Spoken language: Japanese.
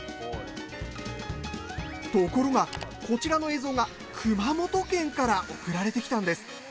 ところが、こちらの映像が熊本県から送られてきたんです。